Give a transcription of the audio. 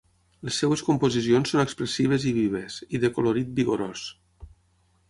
Les seves composicions són expressives i vives, i de colorit vigorós.